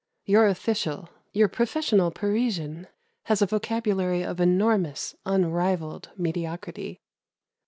Your official, your professional Parisian has a vocabulary of enormous, unrivalled mediocrity.